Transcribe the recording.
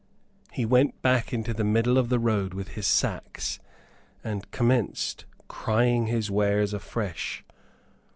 He went back into the middle of the road with his sacks, and commenced crying his wares afresh.